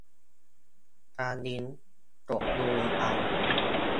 ตามลิงก์ กดดูเอา